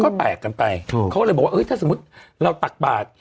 ก็แตกกันไปเขาก็เลยบอกว่าถ้าสมมุติเราตักบาท